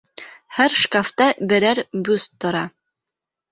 Һәр шкафта берәр бюст тора.